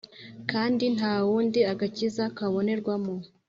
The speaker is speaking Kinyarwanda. Kandi nta wundi agakiza kabonerwamo